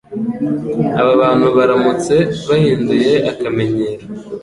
Aba bantu baramutse bahinduye akamenyero,